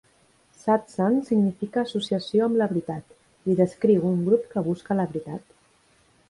Satsang significa "associació amb la Veritat" i descriu un grup que busca la veritat.